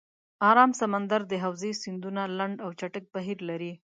آرام سمندر د حوزې سیندونه لنډ او چټک بهیر لري.